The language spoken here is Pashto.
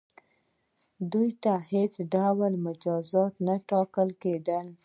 دوی ته هیڅ ډول مجازات نه ټاکل کیدل.